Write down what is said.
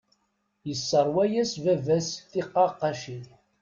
Yesserwa-yas baba-s tiqaqqacin.